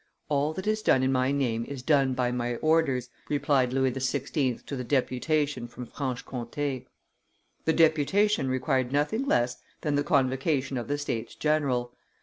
"All that is done in my name is done by my orders," replied Louis XVI. to the deputation from Franche Comte. The deputation required nothing less than the convocation of the States general.